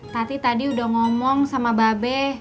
tati tadi udah ngomong sama babe